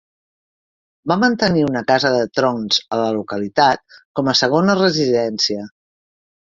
Va mantenir una casa de troncs a la localitat com a segona residència.